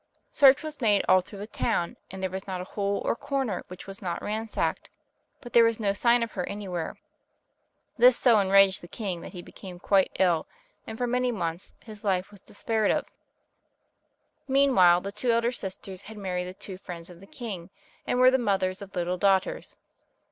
Search was made all through the town, and there was not a hole or corner which was not ransacked, but there was no sign of her anywhere. This so enraged the king that he became quite ill, and for many months his life was despaired of. Meanwhile the two elder sisters had married the two friends of the king, and were the mothers of little daughters.